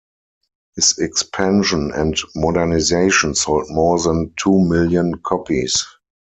His expansion and modernization sold more than two million copies.